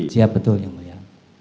siap betul yang mulia